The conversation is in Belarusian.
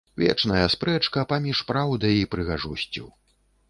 Вечная спрэчка паміж праўдай і прыгажосцю.